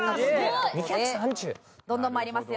どんどん参りますよ。